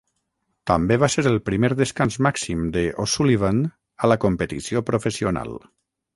També va ser el primer descans màxim de O'Sullivan a la competició professional.